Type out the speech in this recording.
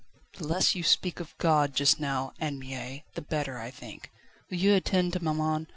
"The less you speak of God just now, Anne Mie, the better, I think. Will you attend to maman?